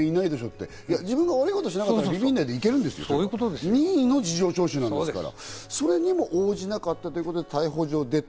って、自分が悪いことしてなかったら、ビビらないで行けるんです、任意の事情聴取ですから。